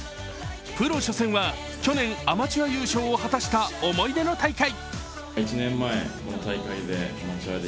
プロ初戦は去年、アマチュア優勝を果たした思い出の大会。